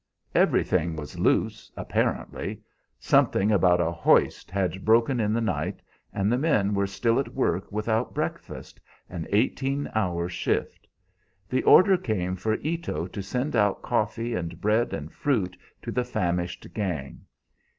Everything was "loose" apparently. Something about a "hoist" had broken in the night, and the men were still at work without breakfast, an eighteen hour shift. The order came for Ito to send out coffee and bread and fruit to the famished gang.